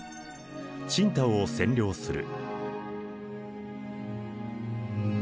青島を占領する。